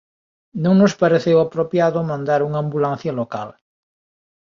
Non nos pareceu apropiado mandar unha ambulancia local.